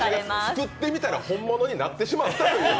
作ってみたら本物になってしまった。